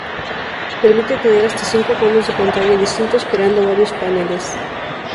Permite tener hasta cinco fondos de pantalla distintos creando varios paneles.